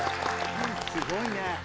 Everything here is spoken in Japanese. すごいね。